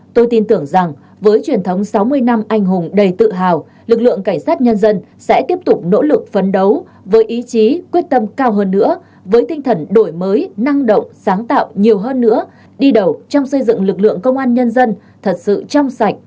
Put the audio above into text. tôi tin tưởng rằng với truyền thống sáu mươi năm anh hùng đầy tự hào lực lượng cảnh sát nhân dân sẽ tiếp tục nỗ lực phấn đấu với ý chí quyết tâm cao hơn nữa với tinh thần đổi mới năng động sáng tạo nhiều hơn nữa đi đầu trong xây dựng lực lượng công an nhân dân thật sự trong sạch